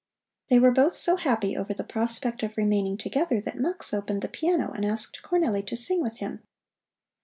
They were both so happy over the prospect of remaining together that Mux opened the piano and asked Cornelli to sing with him.